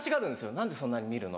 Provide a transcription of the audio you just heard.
何でそんなに見るの？